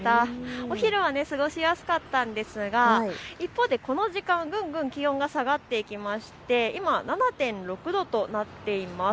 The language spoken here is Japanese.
お昼は過ごしやすかったんですが一方でこの時間ぐんぐん気温が下がっていきまして今７．６度となっています。